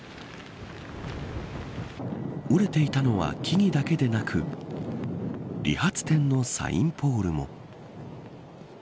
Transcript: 折れていたのは木々だけでなく理髪店のサインポールも。